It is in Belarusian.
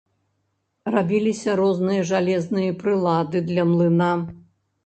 Рабіліся розныя жалезныя прылады для млына.